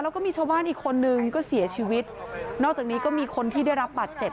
แล้วก็มีชาวบ้านอีกคนนึงก็เสียชีวิตนอกจากนี้ก็มีคนที่ได้รับบาดเจ็บ